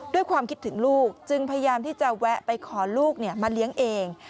ด้วยความคิดถึงลูกจึงพยายามที่จะแวะไปขอลูกมาเลี้ยงเอง